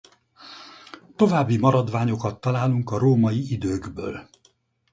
További maradványokat találunk a római időkből.